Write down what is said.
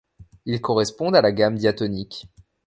Ils correspondent à la gamme diatonique.